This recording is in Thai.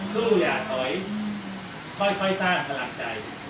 ก็อย่าตอยค่อยสร้างสลักใจ